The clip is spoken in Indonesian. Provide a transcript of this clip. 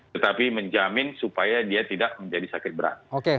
tetapi menjamin supaya dia tidak menjadi sakit berat